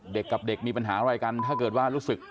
เด็กกับเด็กมีปัญภาพอะไรกัน